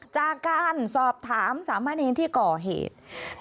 จากการสอบถามสามเณรที่ก่อเหตุ